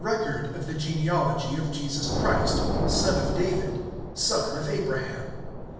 BOOK of the generation of Jesus Christ, son of David, son of Abraham.